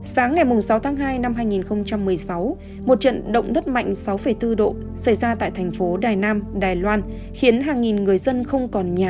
sáng ngày sáu tháng hai năm hai nghìn một mươi sáu một trận động đất mạnh sáu bốn độ xảy ra tại thành phố đài nam đài loan